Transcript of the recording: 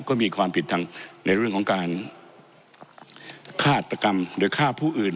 ก็มีความผิดทางในเรื่องของการฆาตกรรมหรือฆ่าผู้อื่น